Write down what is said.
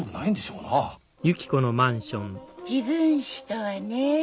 自分史とはねえ。